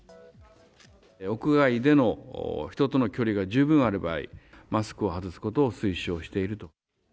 屋外での人との距離が十分ある場合、マスクを外すことを推奨していると。